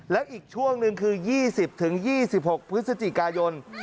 และอีกช่วงหนึ่งคือ๒๐๒๖พฤศจิกายน